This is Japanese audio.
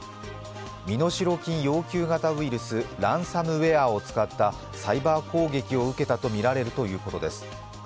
身代金要求型ウイルス、ランサムウェアを使ったサイバー攻撃を受けたとみられるということです。